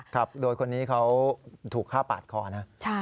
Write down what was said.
ครับโดยคนนี้เขาถูกฆ่าปาดคอนะ